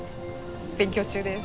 勉強中です。